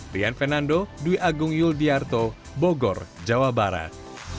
rian fernando dwi agung yul diyarto bogor jawa barat